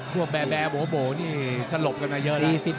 กลัวแบร์โบ๊ะนี่สลบกันมาเยอะแล้ว